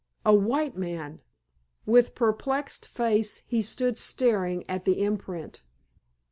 A white man! With perplexed face he stood staring at the imprint.